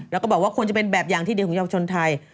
แล้วก็บอกว่าควรจะเป็นแบบอย่างที่เดียวของเยาวชนไทย